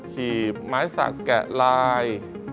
หีบไม้สักแกะลาย